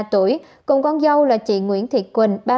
ba mươi tuổi cùng con dâu là chị nguyễn thị quỳnh